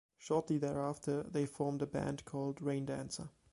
Shortly thereafter, they formed a band called Raindancer.